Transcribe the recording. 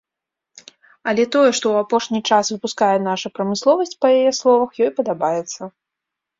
Але тое, што ў апошні час выпускае наша прамысловасць, па яе словах, ёй падабаецца.